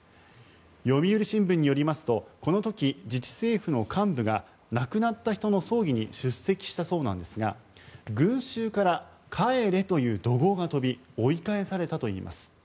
読売新聞によりますとこの時、自治政府の幹部が亡くなった人の葬儀に出席したそうなんですが群衆から帰れという怒号が飛び追い返されたといいます。